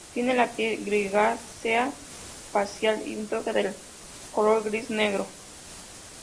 Tienen la piel grisácea facial, y un toque de color gris-negro.